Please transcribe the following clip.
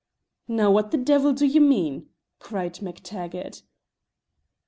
"Now, what the devil do you mean?" cried Mac Taggart.